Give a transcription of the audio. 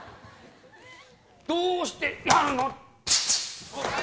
どうしてなの。